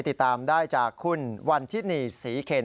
ติดตามได้จากคุณวันทินีศรีเคน